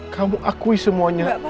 kamu akui semuanya